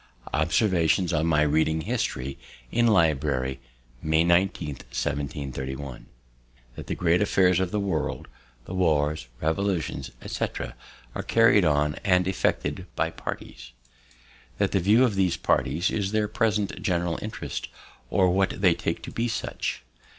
Observations on my reading history, in Library, May 19th, 1731. "That the great affairs of the world, the wars, revolutions, etc., are carried on and effected by parties. "That the view of these parties is their present general interest, or what they take to be such.